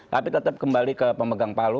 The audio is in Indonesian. tapi tetap kembali ke pemegang palu